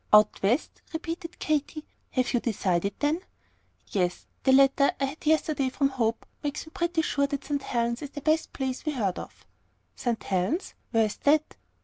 "Out West," repeated Katy. "Have you decided, then?" "Yes. The letter I had yesterday from Hope, makes me pretty sure that St. Helen's is the best place we have heard of." "St. Helen's! Where is that?"